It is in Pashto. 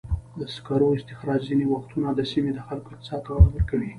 د سکرو استخراج ځینې وختونه د سیمې د خلکو اقتصاد ته وده ورکوي.